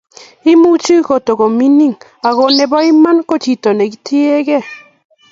imuchi ko takomining, ako nebo iman ko chito ne kitiengei